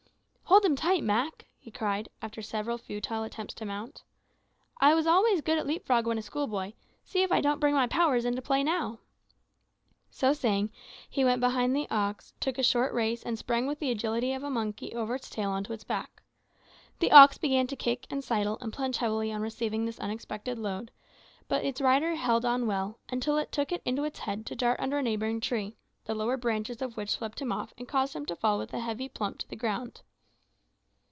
"Hold him tight, Mak," he cried, after several futile attempts to mount. "I was always good at leap frog when a schoolboy; see if I don't bring my powers into play now." So saying, he went behind the ox, took a short race and sprang with the agility of a monkey over its tail on to its back! The ox began to kick and sidle and plunge heavily on receiving this unexpected load; but its rider held on well, until it took it into its head to dart under a neighbouring tree, the lower branches of which swept him off and caused him to fall with a heavy plump to the ground.